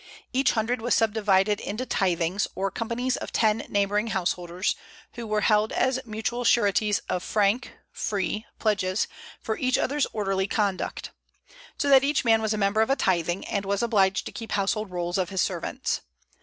Each hundred was subdivided into tythings, or companies of ten neighboring householders, who were held as mutual sureties or frank (free) pledges for each other's orderly conduct; so that each man was a member of a tything, and was obliged to keep household rolls of his servants.